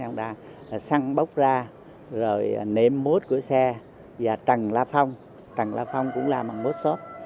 xe hông đa là xăng bốc ra nệm mốt của xe và trần lá phong trần lá phong cũng làm bằng mốt xốt